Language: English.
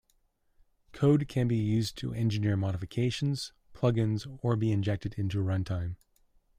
Code can be used to engineer modifications, plug-ins or be injected into runtime.